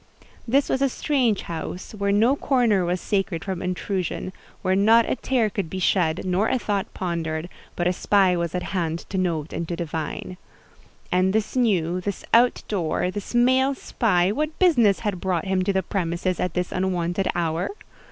This was a strange house, where no corner was sacred from intrusion, where not a tear could be shed, nor a thought pondered, but a spy was at hand to note and to divine. And this new, this out door, this male spy, what business had brought him to the premises at this unwonted hour?